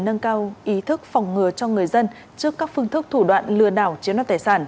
nâng cao ý thức phòng ngừa cho người dân trước các phương thức thủ đoạn lừa đảo chiếm đoạt tài sản